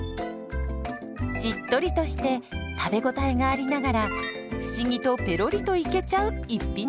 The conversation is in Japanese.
しっとりとして食べ応えがありながら不思議とペロリといけちゃう逸品です。